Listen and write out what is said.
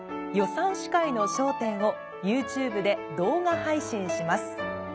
「予算市会の焦点」をＹｏｕＴｕｂｅで動画配信します。